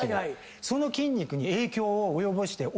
その筋肉に影響を及ぼして。